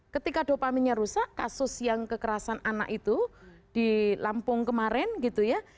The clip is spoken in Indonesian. ketika dopaminya rusak kasus yang kekerasan anak itu di lampung kemarin gitu ya